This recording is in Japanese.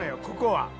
ここは」